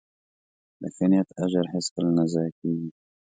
د ښه نیت اجر هیڅکله نه ضایع کېږي.